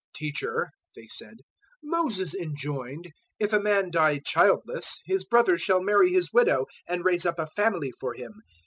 022:024 "Teacher," they said, "Moses enjoined, `If a man die childless, his brother shall marry his widow, and raise up a family for him.'